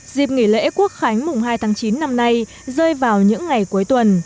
dịp nghỉ lễ quốc khánh mùng hai tháng chín năm nay rơi vào những ngày cuối tuần